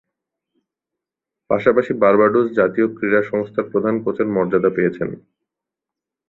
পাশাপাশি, বার্বাডোস জাতীয় ক্রীড়া সংস্থার প্রধান কোচের মর্যাদা পেয়েছেন।